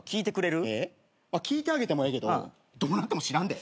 聞いてあげてもええけどどうなっても知らんで？